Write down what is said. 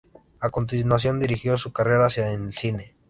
A continuación dirigió su carrera hacia el cine.